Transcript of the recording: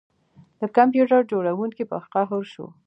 د کمپیوټر جوړونکي په قهر شو